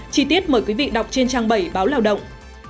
chi tiết mời quý vị đọc trên trang bảy báo lao động